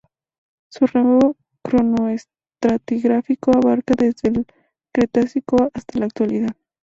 Su rango cronoestratigráfico abarca desde el Cretácico hasta la actualidad.